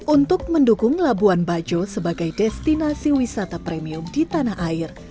untuk mendukung labuan bajo sebagai destinasi wisata premium di tanah air